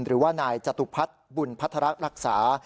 หรือว่านายจตุพัฒน์บุญพัฒระรักษา